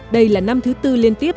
đây là năm thứ tư liên tiếp